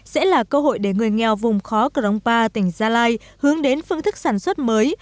sẽ là cơ hội để người nghèo vùng khó crongpa tỉnh gia lai hướng đến phương thức sản xuất mới